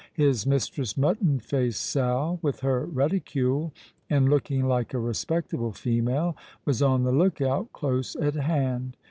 His mistress Mutton Face Sal, with her reticule, and looking like a respectable female, was on the look out close at hand.